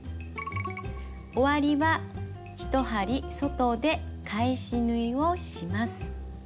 終わりは１針外で返し縫いをします。